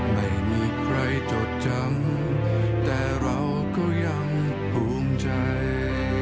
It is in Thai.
ไม่มีใครจดจำแต่เราก็ยังภูมิใจ